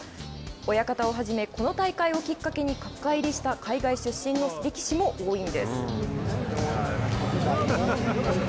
親方をはじめこの大会をきっかけに角界入りした海外出身の力士も多いんです。